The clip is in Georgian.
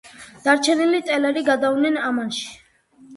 დარჩენილი ტელერი გადავიდნენ ამანში.